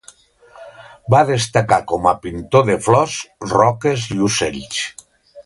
Va destacar com a pintor de flors, roques i ocells.